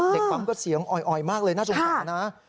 เด็กปั๊มก็เสียงออยมากเลยน่าจะหวังนะ